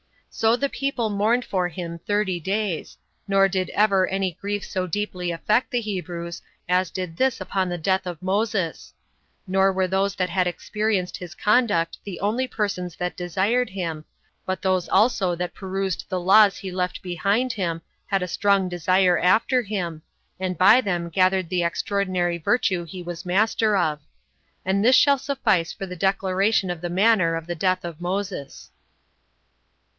So the people mourned for him thirty days: nor did ever any grief so deeply affect the Hebrews as did this upon the death of Moses: nor were those that had experienced his conduct the only persons that desired him, but those also that perused the laws he left behind him had a strong desire after him, and by them gathered the extraordinary virtue he was master of. And this shall suffice for the declaration of the manner of the death of Moses.